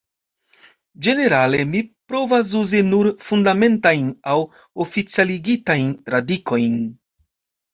Ĝenerale mi provas uzi nur Fundamentajn aŭ oficialigitajn radikojn.